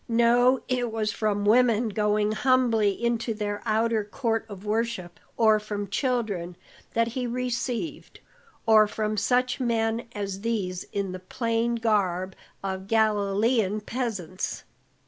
No, it was from women going humbly in to their outer court of worship, or from children, that he received, or from such men as these in the plain garb of Galilean peasants.